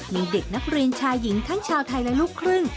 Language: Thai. มีเด็กนักเรียนชายหญิงทั้งชาวไทยและลูกครึ่ง